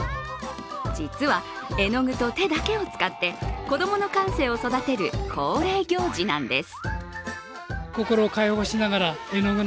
実は、絵の具と手だけを使って子供の感性を育てる恒例行事なんです。